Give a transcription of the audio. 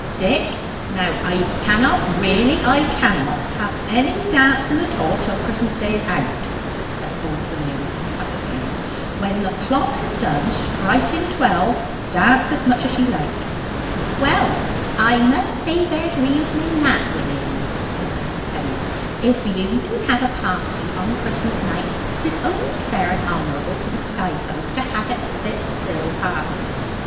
"Dick! Now I cannot really, I cannot have any dancing at all till Christmas day is out," said old William emphatically. "When the clock ha' done striking twelve, dance as much as ye like." "Well, I must say there's reason in that, William," said Mrs. Penny. "If you do have a party on Christmas night, 'tis only fair and honourable to the sky folk to have it a sit still party.